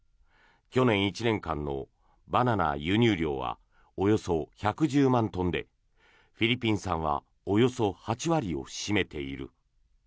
去年１年間のバナナ輸入量はおよそ１１０万トンでフィリピン産はおよそ８割を占めている。